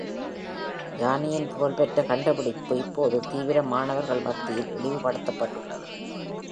ஜானியின் புகழ்பெற்ற கண்டுபிடிப்பு இப்போது தீவிர மாணவர்கள் மத்தியில் இழிவுபடுத்தப்பட்டுள்ளது.